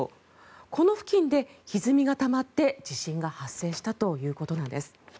この付近でひずみがたまって地震が発生したということです。